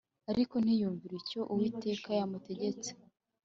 ariko ntiyumvira icyo Uwiteka yamutegetse